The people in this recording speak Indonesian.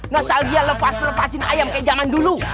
nostalgia lepas lepasin ayam kayak zaman dulu